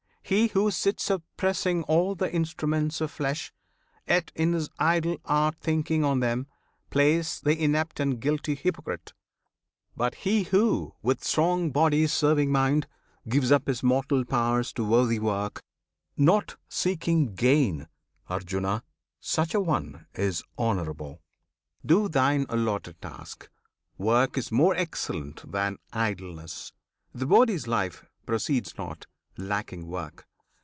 He who sits Suppressing all the instruments of flesh, Yet in his idle heart thinking on them, Plays the inept and guilty hypocrite: But he who, with strong body serving mind, Gives up his mortal powers to worthy work, Not seeking gain, Arjuna! such an one Is honourable. Do thine allotted task! Work is more excellent than idleness; The body's life proceeds not, lacking work.